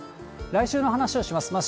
来週の話をします。